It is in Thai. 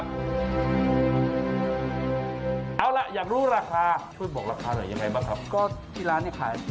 เข้าใจง่าย